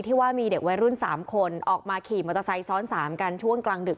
ว่ามีเด็กวัยรุ่น๓คนออกมาขี่มอเตอร์ไซค์ซ้อน๓กันช่วงกลางดึก